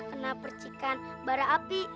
kena percikan bara api